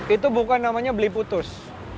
itu bukan namanya beli putus